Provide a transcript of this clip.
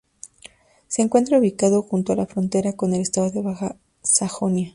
Se encuentra ubicado junto a la frontera con el estado de Baja Sajonia.